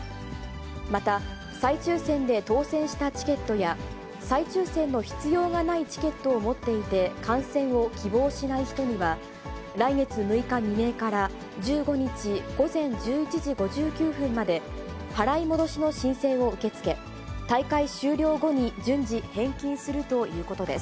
また、再抽せんで当せんしたチケットや、再抽せんの必要がないチケットを持っていて、観戦を希望しない人には、来月６日未明から、１５日午前１１時５９分まで、払い戻しの申請を受け付け、大会終了後に順次、返金するということです。